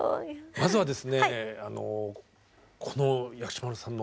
まずはですね